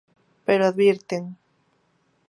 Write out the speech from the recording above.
Pero advirten...